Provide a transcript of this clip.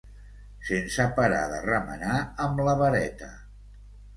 sense parar de remenar amb la vareta